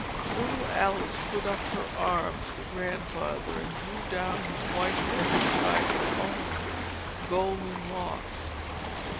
Little Alice put up her arms to Grandfather, and drew down his white head beside her own golden locks.